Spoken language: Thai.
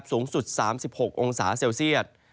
สูงสุด๓๖องศาเซลเซียต